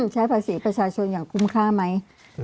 ใช้ภาษีประชาชนอย่างคุ้มค่าไหม